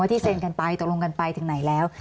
ที่เซ็นกันไปตกลงกันไปถึงไหนแล้ว